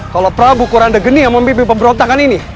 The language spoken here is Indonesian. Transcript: kalau prabu kuranda geni yang memimpin pemberontakan ini